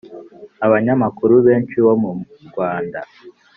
Aba nyamakuru benshi bo murwanda